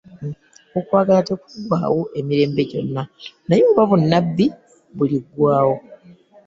Okwagala tekuggwaawo emirembe gyonna: naye oba bunnabbi, bulivaawo.